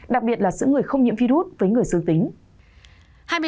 đặc biệt là giữ người không nhiễm virus với người dương tính